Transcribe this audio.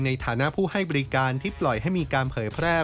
ในฐานะผู้ให้บริการที่ปล่อยให้มีการเผยแพร่